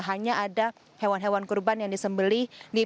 hanya ada hewan hewan kurban yang disembeli